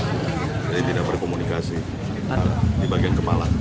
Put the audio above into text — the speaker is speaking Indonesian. jadi tidak berkomunikasi di bagian kepala